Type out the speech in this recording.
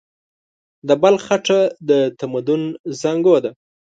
د بلخ خټه د تمدن زانګو ده.